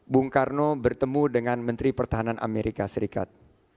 bung karno bertemu dengan menteri pertahanan amerika serikat